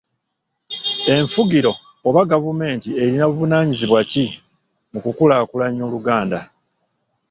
Enfugiro oba gavumenti erina buvunaanyizibwa ki mu kukulaakulanya Oluganda.